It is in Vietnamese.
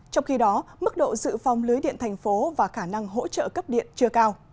trong khi đó mức độ dự phòng lưới điện thành phố và khả năng hỗ trợ cấp điện chưa cao